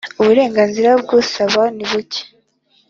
uburenganzira bw ‘usaba nibuke.